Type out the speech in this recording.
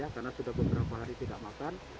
karena sudah beberapa hari tidak makan